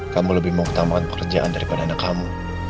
kamu lebih mau ketambahan pekerjaan daripada anak kamu